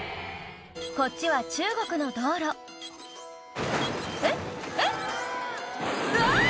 こっちは中国の道路えっえっ？うわ！